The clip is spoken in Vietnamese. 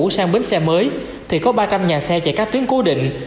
sang bến xe mới thì có ba trăm linh nhà xe chạy các tuyến cố định